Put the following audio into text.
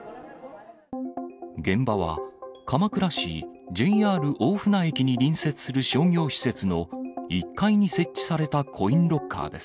現場は、鎌倉市ＪＲ大船駅に隣接する商業施設の１階に設置されたコインロッカーです。